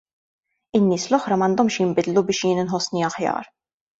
In-nies l-oħra m'għandhomx jinbidlu biex jien inħossni aħjar.